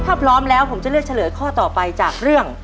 ถ้าพร้อมแล้วผมจะเลือกเฉลยข้อต่อไปจากเรื่อง